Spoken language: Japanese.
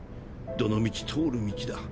どの道通る道だ。